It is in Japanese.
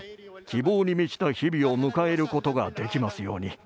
希望に満ちた日々を迎えることができますように。